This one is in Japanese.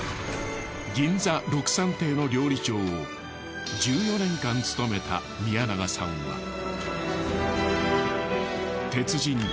銀座ろくさん亭の料理長を１４年間務めた宮永さんは。